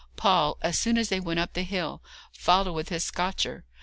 Paul, as soon as they went up the hill, followed with his scotcher.